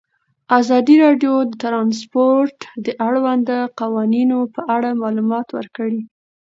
ازادي راډیو د ترانسپورټ د اړونده قوانینو په اړه معلومات ورکړي.